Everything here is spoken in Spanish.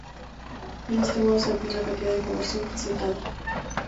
De este modo se amplía la cantidad de información presentada.